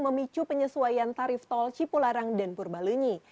memicu penyesuaian tarif tol cipularang dan purbalunyi